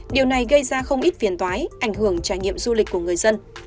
điều này gây ra không ít phiền toái ảnh hưởng trải nghiệm du lịch của người dân